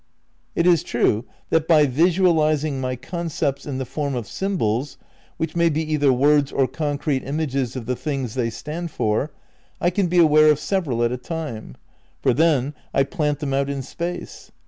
It is true that by visualising my concepts in the form of symbols, which may be either words or concrete images of the things they stand for, I can be aware of several at a time ; for then I plant them out in space.